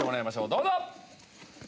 どうぞ！